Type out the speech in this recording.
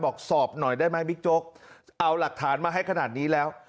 บอกสอบหน่อยได้ไหมบิ๊กโจ๊กเอาหลักฐานมาให้ขนาดนี้แล้ว